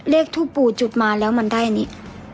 ทูปู่จุดมาแล้วมันได้อันนี้